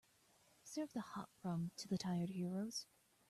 Serve the hot rum to the tired heroes.